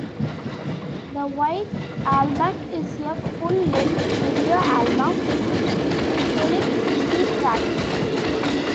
"The White Albun" is a full-length studio album featuring sixteen tracks.